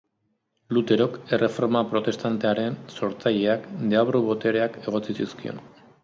Luterok, Erreforma Protestantearen sortzaileak, deabru-botereak egotzi zizkion.